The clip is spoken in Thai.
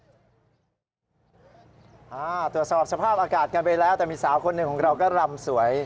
สามารถตัวสอบสภาพอากาศไปแล้วแต่มีสาวคนนึงของเราก็รำสวย